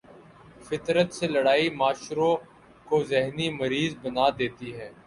فطرت سے لڑائی معاشروں کو ذہنی مریض بنا دیتی ہے۔